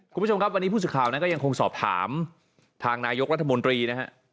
คุณผู้ชมครับวันนี้ผู้สื่อข่าวนั้นก็ยังคงสอบถามทางนายกรัฐมนตรีนะฮะ